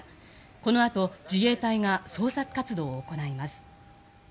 このあと自衛隊が捜索活動を行います。